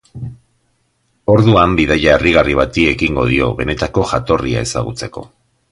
Orduan, bidaia harrigarri bati ekingo dio, benetako jatorria ezagutzeko.